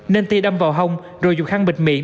nên ti đâm vào hông rồi dùng khăn bịt miệng